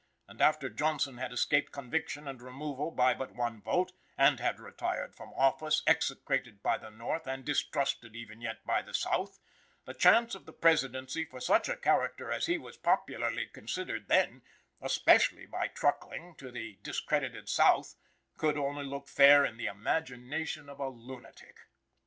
And after Johnson had escaped conviction and removal by but one vote, and had retired from office execrated by the North and distrusted even yet by the South, the chance of the Presidency for such a character as he was popularly considered then especially by truckling to the discredited South could only look fair in the imagination of a lunatic.